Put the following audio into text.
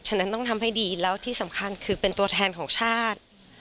ฉะนั้นต้องทำให้ดีแล้วที่สำคัญคือเป็นตัวแทนของชาติ